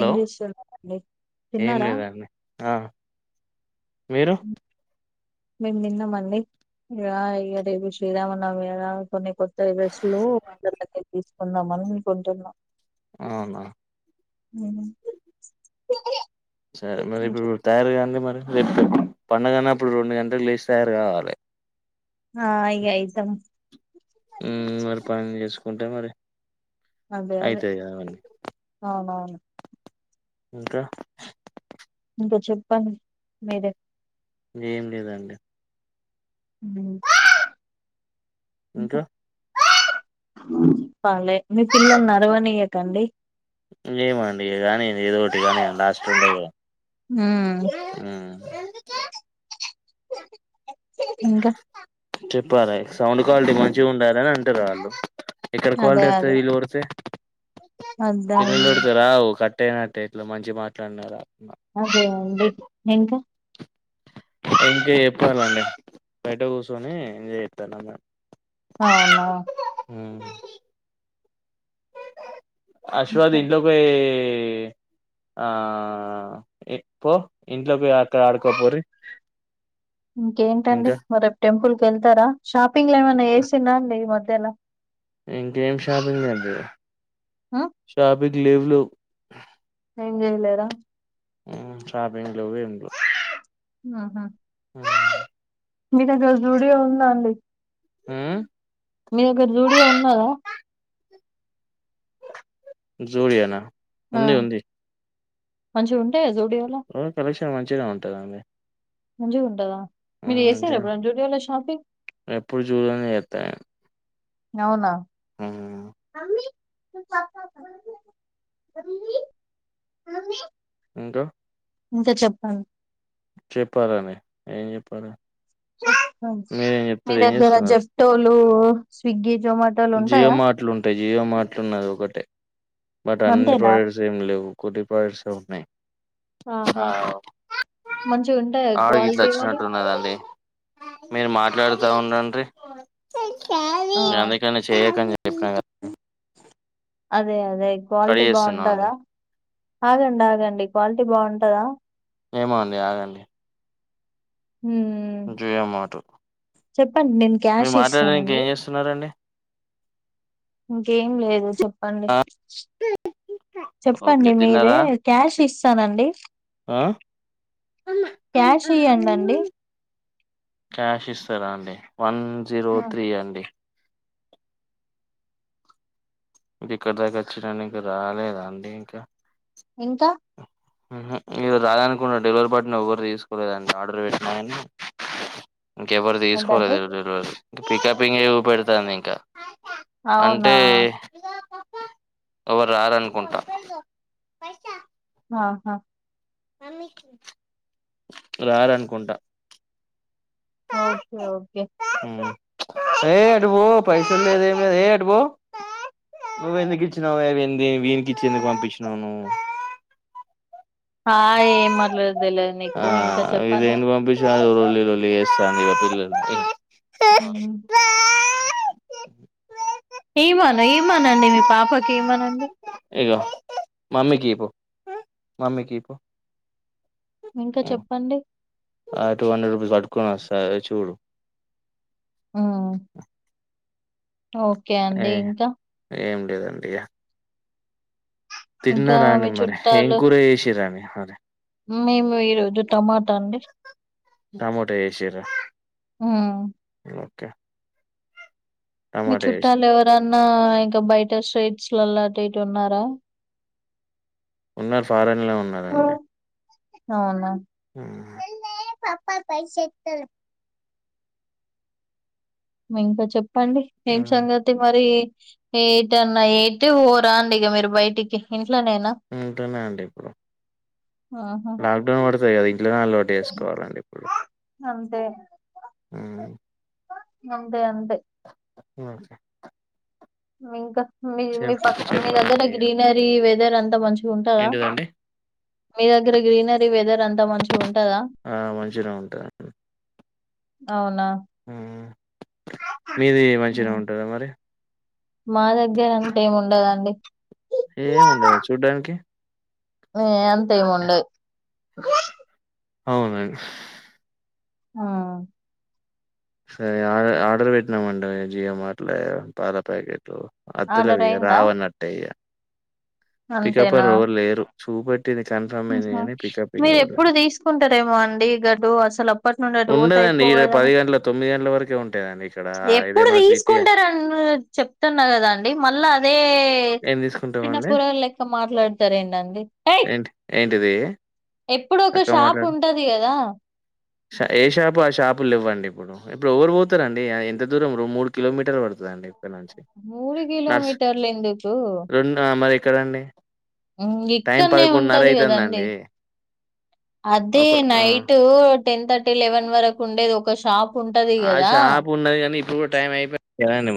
ఏం చేస్తున్నారండి ఏం తిన్నారా లేదండి ఆ మీరు మేము దిన్నమండి, ఇగా ఇగ రేపు శ్రీరామనవమి గద కొన్ని కొత్ త్త డ్రెస్సులు [unintelligible] తీసుకుందామని అనుకుంటున్నా అవునా ఉమ్ సరే మరిప్పుడు తయారు గాండి మరి [unintelligible] పండుగన్నప్పుడు రెండు గంటలకు లేసి తయారు గావాలె ఆ ఇగ అయితం మ్మ్ మరి పని జేసుకుంటే మరి అదే అదే అయితాయి కదా అవన్నీ అవునవును. ఇంక ఇంక చెప్పండి మీరెట్ ఏం లేదండి ఉమ్ ఇంకా ప్పాలే మీ పిల్లల్నరవనీయకండి ఏమో అండి ఇగ గానియ్యండి ఏదోకటి గానీయండి లాస్ట్ ఉంటద్లే, ఉమ్ ఉమ్ ఇంక చెప్పాలే సౌండ్ క్వాలిటీ మంచిగుండాలని అంటరు వాళ్ళు, ఎక్కడ అదే క్వాలిటీ అత్తది అదే వీళ్ళు ఓర్రితే అద్దా అదే పిళ్ళల్లోర్రితె రావు కట్టయినట్టే ఇట్ల మంచిగ మాట్లాడిన రావ్ అదే అండి ఇంకా ఇంక జెప్పాలండి, బయట కూసోని ఎంజాయ్ చెత్తాన మ అవునా ఆ [unintelligible] ఇంకా ఆ ఇప్ప ఇంట్లో పో అక్కడ ఆడుకోపోరి ఇంకేంటండి ఇంకా మ రేపు టెంపుల్ క వెళ్తారా షాపింగ్ లో ఏమైన్నా వేసినా అండి ఈ మధ్యలా ఇంకేం షాపింగ్ అదు ఆ? షాపింగ్ లు ఎంలేవ్ ఎంచేయలేద షాపింగ్ లో ఆహా వా మీ దగ్గర జూడియో ఉంద అండి ఆ మీ దగ్గర జూడీయో ఉందా జూరియానా ఉంది ఉంది మంచి ఉ కలెక్షన్ మంచిగా ఉంటుందండి మంచిగుంటద మంచిగా [unintelligible] ఎప్పుడు చూడని చేత్తా అవునా నేను [unintelligible] ఇంకా ఇంకా చెప్ప [unintelligible] చెప్పారండి ఏం చెప్పాల మీదగ్గర చేస్తున్నారు జఫటోలు స్విగి జియో మాార్ట్లు ఉంటాయి జియో మాార్ట్లు ఉన్నది ఒకటే బట్ అన్ని అంతేనా ప్రోడక్ట్స్ ఏమి లేవు [unintelligible] ఉన్నాయి ఆహా మంచిగా ఉంటాయా [unintelligible] ఇట్లా క్వాలిటీ మరి వచ్చినట్టున్నదండి మీరు మాట్లాడుతా ఉండండీ ఆ చేయకం [unintelligible] అదే అదే క్వాలిటీ బాగుంటద ఆగండి ఆగండి క్వాలిటీ బాగుంటద ఏమోండి ఆగండి హ్మ్ [unintelligible] మీరు చెప్పండి నేను క్యాష్ మాట్లాడడ ఇంక ఇస్తానండి ఏం చేస్తున్నరండి ఇంకేం లేదు చెప్ చెప్పండి ఓకే చెప్పండి మీరే తిన్నారా క్యాష్ ఇస్తానండి ఆ క్యాష్ ఇయ్యండండి క్యాష్ ఇస్తారా అండి వన్ జీరో ఆ త్రీ అండి ఇంక ఇక్కడ దగ్గర వచ్చడానికి రాలేద అండి ఇంకా ఇంక మీరు రాలనుకున్న డెలివరీ పార్ట్నర్ ఎవరు తీసుకోలేదండి ఆర్డర్ పెట్టినా కాని ఇంకెవరు ఏంటండి తీసుకోలేలిర ఇం పికప్ ఇంగ్ పెడతాంది ఇంకా అవునా అంటే ఎవరు రారనుకుంట ఆహా రారానుకుంటా ఓకే ఓకే [unintelligible] నువవు ఎందుకు ఇచ్చినావు అవి ఎ వీనికి ఇచ్చి ఎందుకు పంపించినావు నువ్వు ఆ ఏం మాట్లాడేదో తెల్వదు నీకు ఇంకా చెప్పండి [unintelligible] ఊ ఏమోన్నా ఏమనండి మీ పాపకి ఇమ్మనండి ఇగో మమ్మీకి ఇపో మమ్మీకి ఇపో ఇంకా ఉ చెప్పండి ఆ టు హండ్రెడ్ రుపీస్ పట్కొ అదే చూడు ఆ ఓకే ఏ అండి ఇంకా ఏం లేదండి తిన్న ఇంకా రా మీ అండి మరి ఏం చుట్టాలు కూర చేసిర్రు అండి మరి మేము ఈరోజు టమాటా అండి టమోటా చేసిరా హ్మ్ ఓకే మీ టమాటా చేసి చుట్టాలు ఎవరన్నా ఇంక బయట స్ట్రైట్ స్లోళ్ళు అటు ఇటు ఉన్నారా ఉన్నారు ఫారెన్లో ఉన్నరండి అవునా ఆ పాపాాపైై సేతను ఇంకా చెప్పండి ఏం సంగతి మరి ఏటా అన్నా ఎటు పోరా అండి ఇగ మీరు బయటికి ఇంట్లోనేనా ఇంట్లోనే అండి ఇప్పుడు ఆహా లాక్డౌన్ పడుతంది కదా ఇంట్లోనే అలవాటు చేసుకోవాలండి ఇప్పుడు అంతే ఆ అంతే అంతే ఊ ఇంకా మీ మీ పక్క మీ దగ్గర చెప్పాలండి ఇగ గ్రీనరీ వెదర్ అంతా మంచి ఉంటదా ఏంటిదండి మీ దగ్గర గ్రీనరీ వెదర్ అంతా మంచిగా ఉంటదా ఉంటాది అండి అవునా ఊ మీది మంచిగా హ్మ్. ఉంటుదా మరి మా దగ్గర అంతేమీ ఉండదండి ఏమి ఉండద చూడ్డానికి ఏ అంత ఏమి ఉండదు అవునండి ఆ సరే ఆ ఆర్డర్ పెట్టినామండి జియో మార్టులో పాలా ప్యాకెట్లు అత్తాడు ఆర్డర్ ఇగ అయిందా రావు అన్నట్టే ఇగ పికపర్ అంతేనా ఎవరు లేరు చూపెట్టింది కన్ఫర్మ్ అయింది గాని పికప్ మీరు ఇంకెవరు ఎప్పుడు లేరు తీసుకుంటారేమో అండి గట్టు అసలు అప్పటి నుండి అటుపోతే ఉండదండి ఈడ పోరేమో పది గంటల తొమ్మిది గంటల వరకే ఉంటదండి ఇక్కడ రేపు ఇప్పుడు ఇదేమన్నా సిటీయా తీసుకుంటారని చెప్తున్నా కదాండి మళ్ళా అదే ఏం తీసుకుంటామండి ఊరోళ్ళు లెక్క మాట్లాడతారు ఏంటండి రైట్ ఏంటి ఏంటిది ఎప్పుడు ఒక షాప్ ఉంటది కదా ష ఏ షాపు ఆ షాపులు లేవ్వండి ఇప్పుడు ఇప్పుడు ఎవరు పోతారండి ఎంత దూరం మూడు కిలోమీటర్లు పడుతదండి మూడు కిలోమీటర్ల ఎందుకు అ మరి ఎక్కడండి ఊ ఇక్కడనే ఉంటది కదండి అయితందండి. అదే ఒక ఆ! నైటు టెన్ థర్టీ లెవెన్ వరకు ఉండేది ఒక షాప్ ఉంటది ఆ కదా షాప్ ఉన్నది కానీ ఇప్పుడు కూడా టైం అయిపోయింది కదండి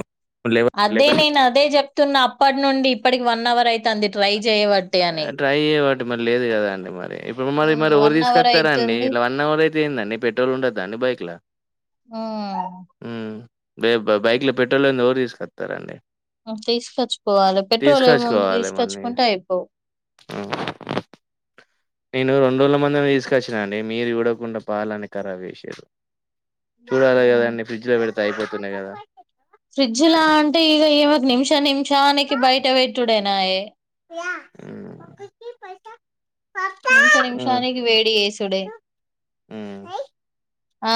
అదే నేను అదే చెప్తున్నా అప్పటి నుండి ఇప్పటికి వన్ అవర్ తాంది ట్రై చేయవట్టి అని ట్రై చేయబట్టి మరి లేదు కదా అండి మరి ఇప్పుడు మరి మరి ఎవరు వన్ అవర్ తీసుకస్తారు అండి అయితుంది ఇలా వన్ అవర్ అయి దే ఏందండి పెట్రోల్ ఉండద్దా అని బైక్లా ఆ వె బైక్ లో పెట్రోల్ లేంది ఎవరు తీసుకొస్తారండి కప్ తీసుకొచ్చుకోవాలి పెట్రోల్ అమౌంట్ తీసుకొచ్చుకోవాలి తీసుకచ్చు మరి. ఆ! నేను రెండు రోజుల మందమే తీసుకొచ్చిన అండి మీరు చూడకుండా పాలు అన్ని ఖరాబు చేసింరు చూడాలి కదండి ఫ్రిడ్జ్ లో పెడితే అయిపోతుండే కదా ఫ్రిడ్జ్లా అంటే ఇక ఈమెకు నిమిష నిమిషానికి బయట పెట్టుడేనాయే య ఒకటి పైస నిమిష నిమిషానికి వేడి వేసుడే హ్మ్.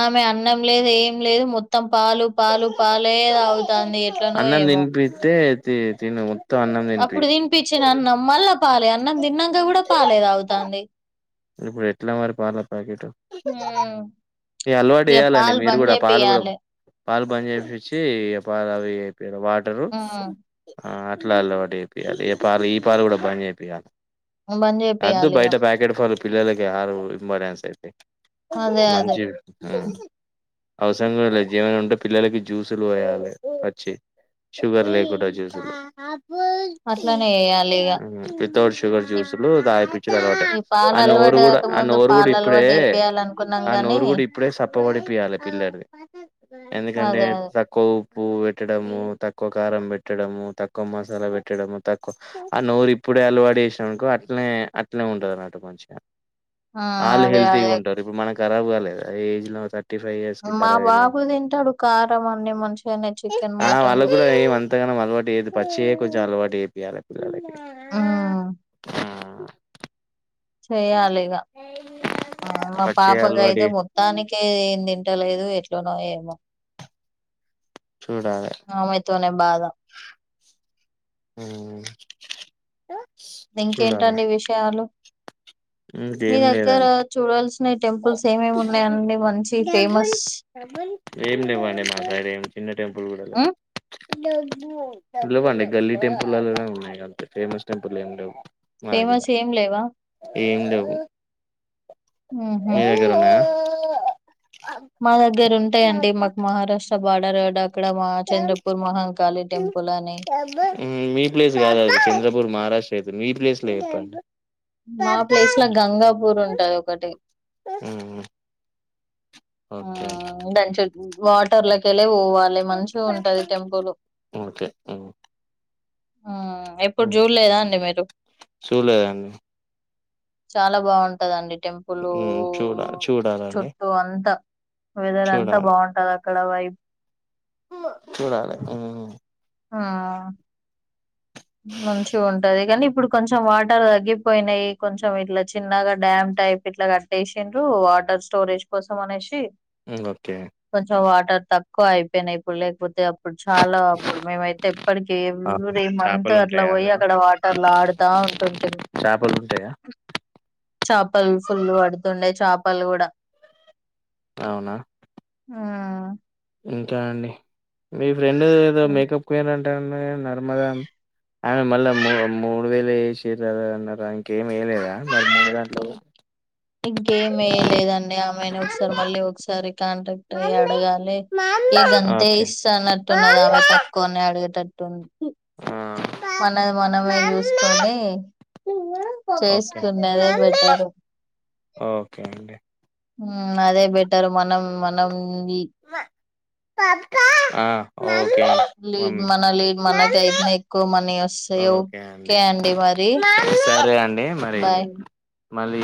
ఆమె అన్నం లేదు ఏం లేదు మొత్తం పాలు పాలు పాలు లే తాగుతాంది ఎట్లనో ఏమో తే తిన్నావా అప్పుడు తినిపించిన అన్నం మళ్ళా పాలే అన్నం తిన్నాక కూడా పాలే తాగుతాంది ఇప్పుడు ఎట్లా మరి పాల ప్యాకెట్ హ్మ్ ఈ అలవాటు ఇగ ఎయ్యాలండి పాలు మీరు బంద్ కూడా పాలు కూడం చేపియాలే పాలు బంద్ చేపిచ్చి పాలు అవి అయిపోయారు వాటరు హ్మ్ ఆ అట్లా అలవాటు చేపియాలి ఏ పాలు ఈ పాలు కూడా బంద్ చేపియాలి బంద్ అద్దు చేపియాలి ఇగ బయట ప్యాకెట్ ఫాలు పిల్లలకి ఆరు ఇంపార్టెన్స్ అయితే అదే అదే మంచి అవసరం లేదు జీవన ఉంటే పిల్లలకి జ్యూసులు పోయాలి వచ్చి షుగర్ లేకుండా జ్యూసులు అట్లనే చేయాలి ఇగ వితౌట్ షుగర్ ఈ జ్యూస్ లు తాగిపించుడు అలవాట ఈ పాలు ఆ నోరు అలవాటు కూడా ఆ కాకముందు నోరు కూడా పాలు ఇప్పుడే అలవాటు చేపియాలి అనుకున్నాం ఆ గాని నోరు కూడా ఇప్పుడే సప్ప వడి పియాలి పిల్లర్ ది ఎందుకంటే అదే తక్కువ ఉప్పు పెట్టడం తక్కువ కారం పెట్టడం తక్కువ మసాలా పెట్టడం తక్కువ ఆ నోరి ఇప్పుడే అలవాటు చేసిన అనుకో అట్నే అట్నే ఉంటది అన్నటు మంచిగా హ్మ్ వాళ్ళు అదే హెల్తీగా అదే ఉంటారు ఇప్పుడు మనకు ఖరాబ్ కాలేదా ఏజ్ నో తాక్ థర్టీ ఫైవ్ ఇయర్స్ ఇక మా రాయనే బాబు తింటాడు కారం అన్ని మంచిగానే చికెన్ ఆ మటన్లు వాళ్ళకు కూడా ఏం అంతాగానం అలవాటు చెయ్యదు పచ్చి ఏ కొంచెం అలవాటు వేపియాలి పిల్లలకి ఆ ఆ చెయ్యాలి ఇగ మా పచ్చియే పాపకు అలవాటు అయితే చే మొత్తానికే ఏం తింటలేదు దో ఎట్లానో ఏమో చూడాలే ఆమెతోనే బాధ ఉ అ ఇంకేంటండి విషయాలు మీ ఇంకేం దగ్గర లేదం చూడాల్సిన ఓ టెంపుల్స్ ఏమేమి ఉన్నాయండి మంచి డబ్బులు ఫేమస్? డబ్బులు ఏమి లేవండి మా సైడ్ ఏమి చిన్న టెంపుల్ కూడా హ్మ్. లేవు లేవు అండి గల్లీ టెంపుల్లోనే ఉన్నాయి కంతే ఫేమస్ టెంపుల్ ఏమి లేవు మా దగ్గర ఫేమస్ ఏం లేవా ఏం లేవు హుహు. మీ దగ్గర ఉన్నాయా మా దగ్గర ఉంటాయిండి మాకు మహారాష్ట్ర బార్డర్ గడ్ ఉమ్ టెంపుల్ అని, మీ ప్లేస్ కాదు అది చంద్రపూర్ మహారాష్ టెతూ మీ ప్లేసులు చెప్పండి మా ప్లేస్ లా గంగాపూర్ ఉంటాది ఒకటి మ్మ్ ఆ ఓకే ఉండు అంచులు వాటర్ లాకెల్ పోాలి మంచి ఉంటది టెంపులు ఓకే ఎప్పుడు మ్మ్ జూన్ లేదా అండి మీరు చూడలేదండి చాలా బాగుంటందండి టెంపులు మ్మ్ చూడ చూడాలండి చుట్టూ అంతా వెదర్ అంతా బాగుంటది అక్కడ వై చూడాల ఆ మంచి ఉంటది కానీ ఇప్పుడు కొంచెం వాటర్ తగ్గిపోయినాయి కొంచెం ఇట్లా చిన్నగా డ్యామ్ టైప్ ఇట్లా కట్టేసిండ్రు వాటర్ స్టోరేజ్ కోసం అనేసి ఓకే కొంచెం వాటర్ తక్కువ అయిపోయినాయి ఇప్పుడు లేకపోతే అప్పుడు చాలా ఇప్పుడు మేమైతే ఎ ఇప్పటికి ఎవ్రీ మంత్ చేపలు అట్లా ఉంటాయా పోయి అందులో అక్కడ వాటర్లు ఆడుతా ఉంటుంటే చేపలు ఉంటాయా చేపలు ఫుల్లు పడుతుండే చేపలు కూడా అవునా ఆ ఇంకా అండి మీ ఫ్రెండ్ ఏదో మేకప్కిరు అంటేడి నర్మద ఆమె మళ్ళా మ మూడు వేలు వేసిరారు అన్నారుార ఇంకేం వెలేదా ఇంకేమ దాంట్లో లేదండి ఆమెనే ఒకసారి మళ్ళీ ఒకసారి కాంట్రాక్ట్ అ మమ్మీ అడగాలి ఏ మమ్మీ గంతే ఓకే ఇస్త అన్నట్టున్నది మమ్మీ ఆమె తక్కువ అని అడిగటట్టు తొ ఆ, ప- మన మనమే మమ్మీ చూసుకొని ఓకే చేసుకునేదే మమ్మీ పెట్టారు ఓకే అండి అదే బెటర్ మనం మనం మ- పాపా ఆ, ఓకే అండి. మమ్ లీడ్ మన లీడ్ మనక మమ్మీ అయిదనా ఎక్కువ మనీ వస్తాయి ఓకే అండి మరి మమ్మీ సరే అండి మరి బాయ్ మళ్ళీ